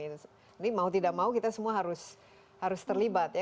ini mau tidak mau kita semua harus terlibat ya